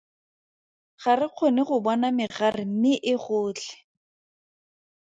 Ga re kgone go bona megare mme e gotlhe.